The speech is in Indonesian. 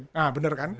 nah bener kan